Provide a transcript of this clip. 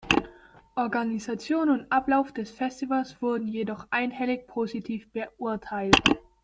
Organisation und Ablauf des Festivals wurden jedoch einhellig positiv beurteilt.